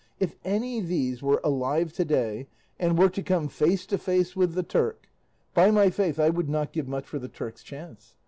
If any these were alive to day, and were to come face to face with the Turk, by my faith, I would not give much for the Turk's chance.